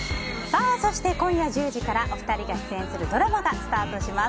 今夜１０時からお二人が出演するドラマがスタートします。